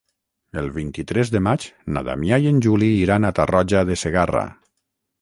El vint-i-tres de maig na Damià i en Juli iran a Tarroja de Segarra.